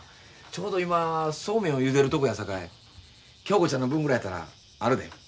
ちょうど今そうめんをゆでるとこやさかい恭子ちゃんの分ぐらいやったらあるで。